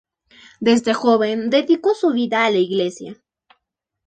Desde joven dedicó su vida a la Iglesia.